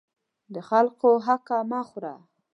د خلکو حق مه خوره.